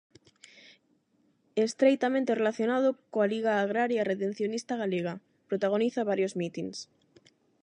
Estreitamente relacionado coa Liga Agraria Redencionista Galega, protagoniza varios mitins.